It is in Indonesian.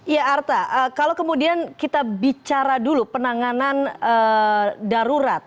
ya arta kalau kemudian kita bicara dulu penanganan darurat